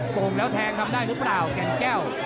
โกงแล้วแทงทำได้หรือเปล่าแก่งแก้ว